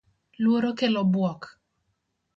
Luoro kelo bwok .